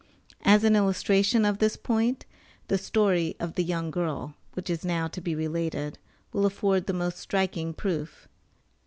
As an illustration of this point, the story of the young girl, which is now to be related, will afford the most striking proof.